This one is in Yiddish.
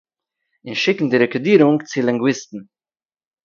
און שיקן די רעקאָרדירונג צו לינגוויסטן